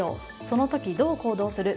その時、どう行動する。